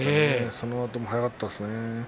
そのあとも速かったですね。